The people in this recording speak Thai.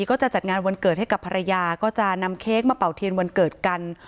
ก็จะจัดงานวันเกิดให้กับภรรยาก็จะนำเค้กมาเป่าเทียนวันเกิดกัน